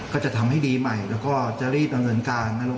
ก็จะทำให้ดีใหม่แล้วก็จะรีบดำเนินการนะลูก